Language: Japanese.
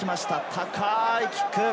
高いキック。